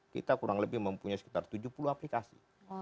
kita kurang lebih mempunyai sekitar tujuh puluh aplikasi